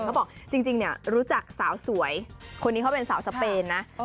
เขาบอกจริงรู้จักสาวสวยคนนี้เขาเป็นสาวสเปนนะ